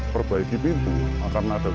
perbaiki pintu karena ada